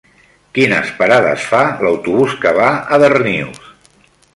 Quines parades fa l'autobús que va a Darnius?